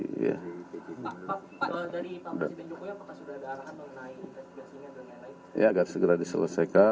dari pak presiden jokowi apakah sudah ada arahan mengenai investigasi ini atau yang lain